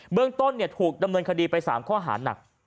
เรื่องต้นถูกดำเนินคดีไป๓ข้อหานัก